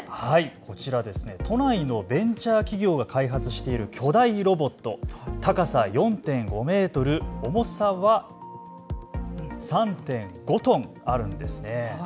こちら、都内のベンチャー企業が開発している巨大ロボット、高さ４．５メートル、重さは３．５トンあるんですね。